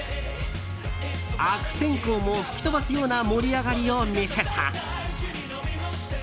悪天候も吹き飛ばすような盛り上がりを見せた。